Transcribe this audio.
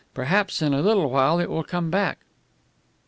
Perhaps in a little while it will come back....